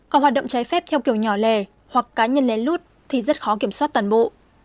còn hoạt động trái phép theo kiểu nhỏ lẻ hoặc cá nhân lén lút thì rất khó kiểm soát toàn bộ